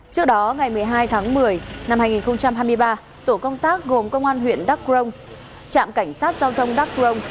trước đó ngày một mươi hai tháng một mươi năm hai nghìn hai mươi ba tổ công tác gồm công an huyện đắk rông trạm cảnh sát giao thông đắk rông